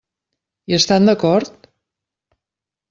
Hi estan d'acord?